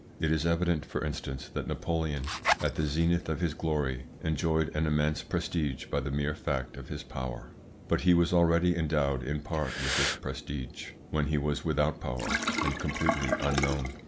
It is evident, for instance, that Napoleon at the zenith of his glory enjoyed an immense prestige by the mere fact of his power, but he was already endowed in part with this prestige when he was without power and completely unknown.